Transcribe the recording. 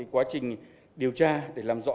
quá trình điều tra để làm rõ